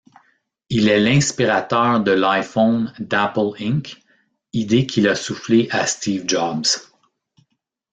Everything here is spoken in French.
Il est l'inspirateur de l'iPhone d'Apple Inc., idée qu'il a soufflée à Steve Jobs.